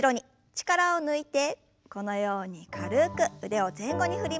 力を抜いてこのように軽く腕を前後に振りましょう。